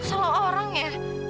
apa aku salah orang ya